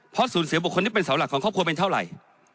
เพราะสูญเสียบุคคลที่เป็นเสาหลักของครอบครัวเป็นเท่าไหร่